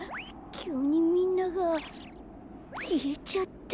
きゅうにみんながきえちゃった。